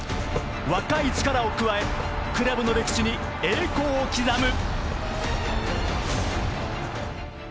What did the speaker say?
若い力を加えクラブの歴史に栄光を刻む。